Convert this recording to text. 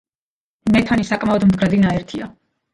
მეთანი საკმაოდ მდგრადი ნაერთია.